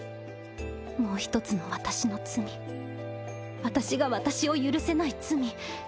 もう一つの私の罪私が私を許せない罪。